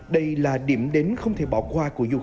đây là điểm đến không thể bỏ qua của du khách